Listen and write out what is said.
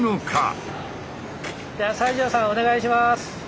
じゃあ西城さんお願いします！